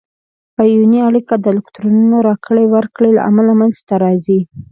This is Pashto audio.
آیوني اړیکه د الکترونونو راکړې ورکړې له امله منځ ته راځي.